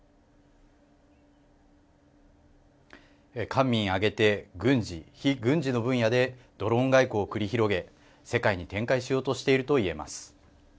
官民挙げて軍事非軍事の分野でドローン外交を繰り広げ世界に展開しようとしていると言えます。